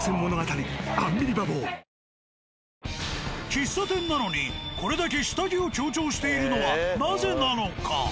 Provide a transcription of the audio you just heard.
喫茶店なのにこれだけ下着を強調しているのはなぜなのか？